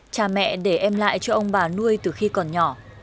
cha mẹ để em lại cho ông bà nuôi từ khi còn nhỏ